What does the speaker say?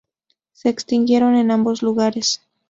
Se extinguieron en ambos lugares.